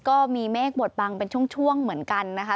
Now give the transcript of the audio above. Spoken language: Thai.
ก็มีเมฆบทบังเป็นช่วงเหมือนกันนะคะ